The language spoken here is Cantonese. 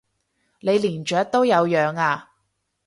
你連雀都有養啊？